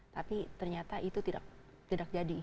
tapi ternyata itu tidak jadi